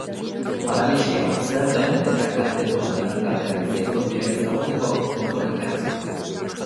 Paralisi hau zer den eta kaltetuen aldarrikapenak zeintzuk diren ezagutzeko, entzun elkarrizketa.